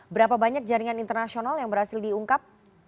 berapa banyak jaringan internasional yang berhasil diungkap